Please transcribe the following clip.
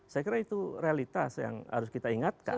saya kira itu realitas yang harus kita ingatkan